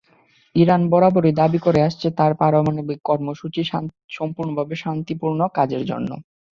Iran বরাবরই দাবি করে আসছে, তার পারমাণবিক কর্মসূচি সম্পূর্ণভাবে শান্তিপূর্ণ কাজের জন্য।